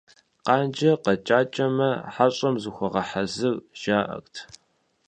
Къанжэ къэкӀакӀэмэ, хьэщӀэм зыхуэгъэхьэзыр, жаӀэрт.